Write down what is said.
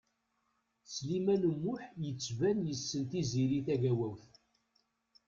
Sliman U Muḥ yettban yessen Tiziri Tagawawt.